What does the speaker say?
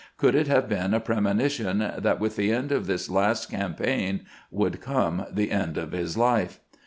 Could it have been a premonition that with the end of this last campaign would come the end of his life?